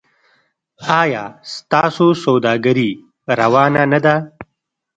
ایا ستاسو سوداګري روانه نه ده؟